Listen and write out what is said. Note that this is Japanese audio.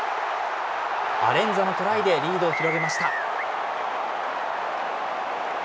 アレンザのトライでリードを広げました。